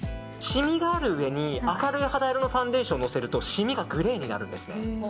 シミがある上に明るい肌色のファンデーションをのせるとシミがグレーになるんですね。